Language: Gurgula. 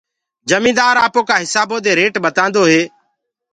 جميندآر آپوڪآ هسآبو دي ريٽ ٻتآندو هي